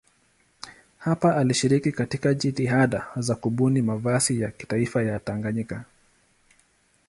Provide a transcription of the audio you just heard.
Hapa alishiriki katika jitihada za kubuni mavazi ya kitaifa ya Tanganyika.